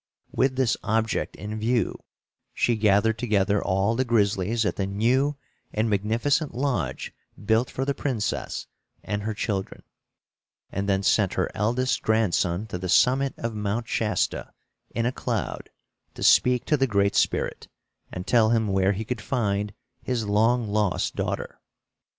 With this object in view, she gathered together all the grizzlies at the new and magnificent lodge built for the princess and her children, and then sent her eldest grandson to the summit of Mount Shasta in a cloud, to speak to the Great Spirit and tell him where he could find his long lost daughter.